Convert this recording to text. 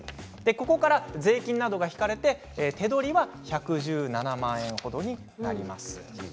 ここから税金などが引かれて手取りは１１７万円ほどになります。